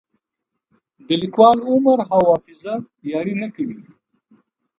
د لیکوال عمر او حافظه یاري نه کوي.